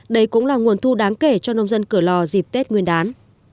đây cũng là nguồn thu đáng kể cho nông dân cửa lò dịp tết nguyên đán